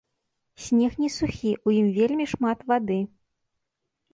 Снег не сухі, у ім вельмі шмат вады.